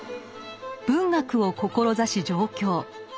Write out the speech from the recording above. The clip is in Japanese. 文学を志し上京。